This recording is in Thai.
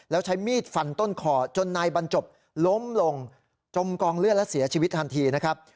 แล้วใช้มีดฟันต้นคอจนนายบรรจบล้มลงจมกองเลือดและเสียชีวิตทันทีนะครับ